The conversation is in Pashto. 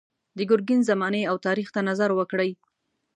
د ګرګین زمانې او تاریخ ته نظر وکړئ.